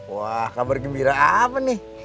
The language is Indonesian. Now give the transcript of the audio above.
wah kabar gembira apa nih